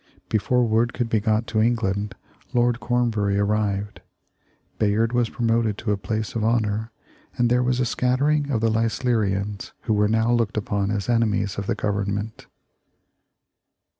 Before word could be got to England, Lord Cornbury arrived. Bayard was promoted to a place of honor, and there was a scattering of the Leislerians, who were now looked upon as enemies of the Government.